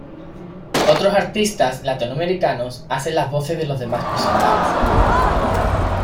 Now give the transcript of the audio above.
Otros artistas latinoamericanos hacen las voces de los demás personajes.